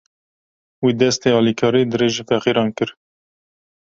Wî, destê alîkariyê dirêjî feqîran kir.